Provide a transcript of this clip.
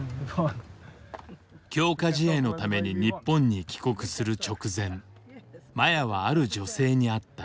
強化試合のために日本に帰国する直前麻也はある女性に会った。